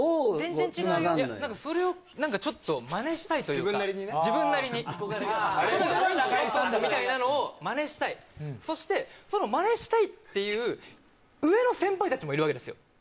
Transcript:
全然違うよ何かそれを何かちょっとマネしたいというか自分なりにね自分なりに「オッスオッス」みたいなのをそしてそのマネしたいっていう上の先輩たちもいるわけですよ